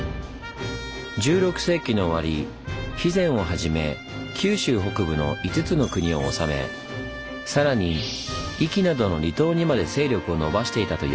１６世紀の終わり肥前をはじめ九州北部の５つの国を治めさらに壱岐などの離島にまで勢力を伸ばしていたといわれています。